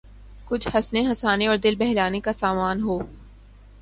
کچھ ہنسنے ہنسانے اور دل بہلانے کا سامان ہو۔